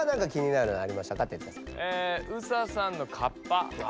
ＳＡさんのカッパ。